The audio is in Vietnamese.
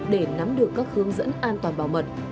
để nắm được các hướng dẫn an toàn bảo mật